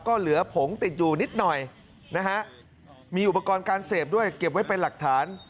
ก็เหลือผงติดอยู่นิดหน่อยนะฮะมีอุปกรณ์การเสพด้วยเก็บไว้เป็นหลักฐาน